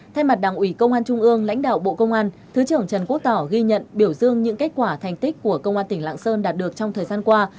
thay mặt đảng ủy công an trung ương lãnh đạo bộ công an thứ trưởng trần quốc tỏ ghi nhận biểu dương những kết quả thành tích của công an tỉnh lạng sơn đạt được trong thời gian qua